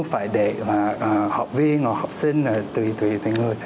phải để học viên hoặc học sinh tùy tùy người